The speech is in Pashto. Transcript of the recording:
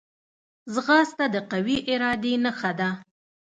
ځغاسته د قوي ارادې نښه ده